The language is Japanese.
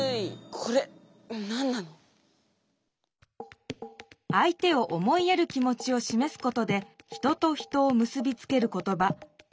これなんなの⁉相手を思いやる気もちをしめすことで人と人を結びつける言ば敬語。